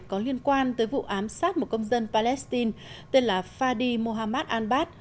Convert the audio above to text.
có liên quan tới vụ ám sát một công dân palestine tên là fadi mohammed al bad